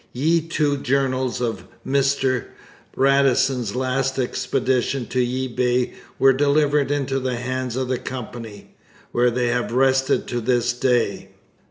'Ye two journals of Mr Radisson's last expedition to ye Bay' were delivered into the hands of the Company, where they have rested to this day.